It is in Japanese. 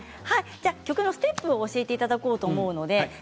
曲のステップを教えていただきたいと思います。